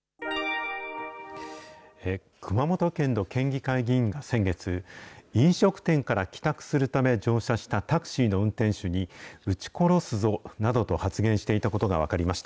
熊本県の県議会議員が先月、飲食店から帰宅するため乗車したタクシーの運転手にうち殺すぞなどと発言していたことが分かりました。